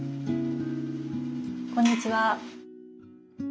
こんにちは。